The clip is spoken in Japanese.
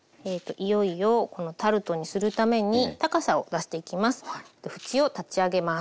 いよいよこのタルトにするために高さを出していきます。